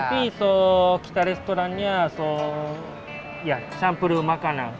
tapi kita restorannya campur makanan